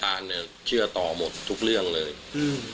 เนี้ยเชื่อต่อหมดทุกเรื่องเลยอืม